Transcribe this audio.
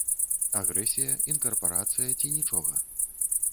Агрэсія, інкарпарацыя ці нічога?